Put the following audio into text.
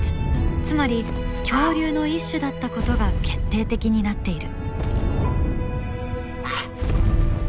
つまり恐竜の一種だったことが決定的になっている。